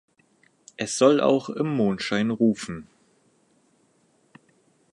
Es soll auch im Mondschein rufen.